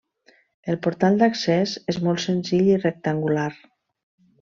El portal d'accés és molt senzill i rectangular.